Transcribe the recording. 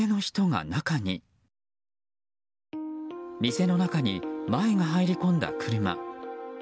店の中に前が入り込んだ車。